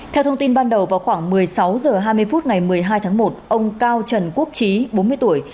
theo thông tin ban đầu vào khoảng một mươi sáu h hai mươi phút ngày một mươi hai tháng một ông cao trần quốc trí bốn mươi tuổi